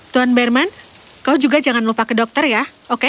tuan berman kau juga jangan lupa ke dokter ya oke